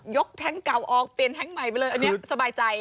แท็งค์เก่าออกเปลี่ยนแท็งค์ใหม่ไปเลยอันนี้สบายใจ